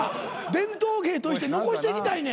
伝統芸として残していきたいねん。